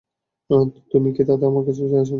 তুমি কে তাতে আমার কিছু যায় আসে না।